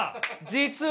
実は！